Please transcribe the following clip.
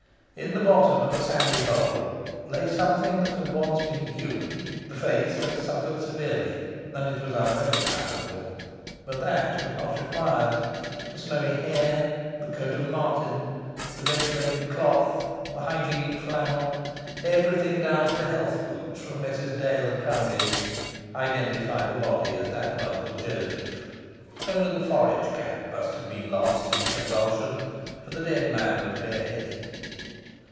In the bottom of a sandy hole lay something that had once been human. The face had suffered severely, and it was unrecognizable; but that was not required. The snowy hair, the coat of marten, the ventilating cloth, the hygienic flannel everything down to the health boots from Messrs Dail and Crumbie's, identified the body as that of Uncle Joseph. Only the forage cap must have been lost in the convulsion, for the dead man was bareheaded.